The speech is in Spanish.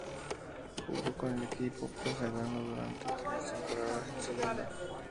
Jugó con el equipo pucelano durante tres temporadas en segunda.